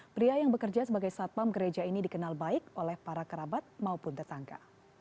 pria yang bekerja sebagai satpam gereja ini dikenal baik oleh para kerabat maupun tetangga